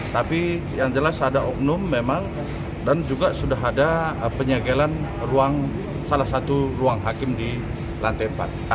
tapi yang jelas ada oknum memang dan juga sudah ada penyegelan salah satu ruang hakim di lantai empat